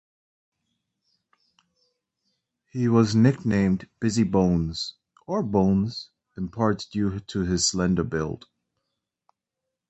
He was nicknamed "Bizzy Bones" or "Bones" in part due to his slender build.